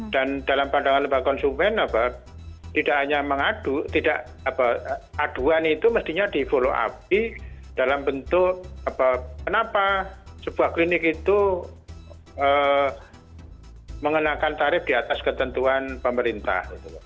dan dalam pandangan lembaga konsumen tidak hanya mengadu aduan itu mestinya di follow upi dalam bentuk kenapa sebuah klinik itu mengenakan tarif di atas ketentuan pemerintah